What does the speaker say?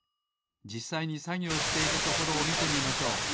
じっさいにさぎょうしているところをみてみましょう。